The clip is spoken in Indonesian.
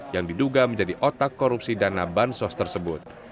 yang diduga menjadi otak korupsi dana bansos tersebut